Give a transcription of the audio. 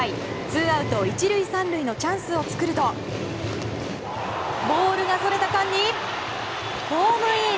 ツーアウト１塁３塁のチャンスを作るとボールがそれた間にホームイン！